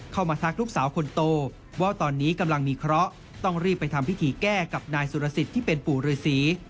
ทักลูกสาวคนโตว่าตอนนี้กำลังมีเคราะห์ต้องรีบไปทำพิธีแก้กับนายสุรสิทธิ์ที่เป็นปู่ฤษี